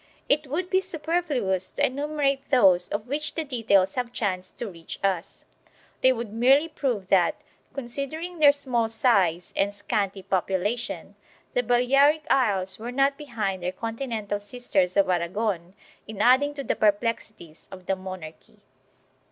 It would be superfluous to enumerate those of which the details have chanced to reach us; they would merely prove that, consid ering their small size and scanty population, the Balearic Isles were not behind their continental sisters of Aragon in adding to the perplexities of the monarchy.